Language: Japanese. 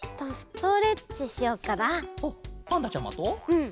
うん。